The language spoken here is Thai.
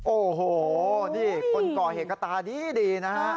โอ้โหคนก่อเห้กตาดีนะ